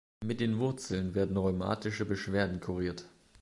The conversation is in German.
Mit den Wurzeln werden rheumatische Beschwerden kuriert.